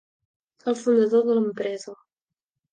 El fundador de l'empresa.